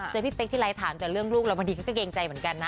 พี่เป๊กที่ไรถามแต่เรื่องลูกแล้วบางทีเขาก็เกรงใจเหมือนกันนะ